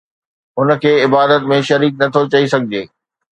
هن کي عبادت ۾ شريڪ نه ٿو چئي سگهجي